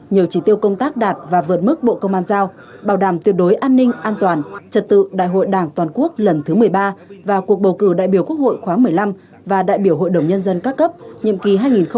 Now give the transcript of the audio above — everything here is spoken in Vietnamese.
nhiều trí tiêu công tác đạt và vượt mức bộ công an giao bảo đảm tuyệt đối an ninh an toàn trật tự đại hội đảng toàn quốc lần thứ một mươi ba và cuộc bầu cử đại biểu quốc hội khóa một mươi năm và đại biểu hội đồng nhân dân các cấp nhiệm kỳ hai nghìn hai mươi một hai nghìn hai mươi sáu